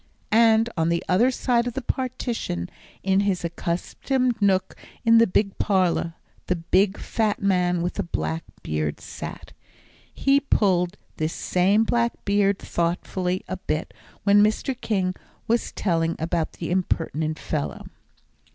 And on the other side of the partition, in his accustomed nook in the big parlour, the big fat man with the black beard sat. He pulled this same black beard thoughtfully a bit, when Mr. King was telling about the impertinent fellow.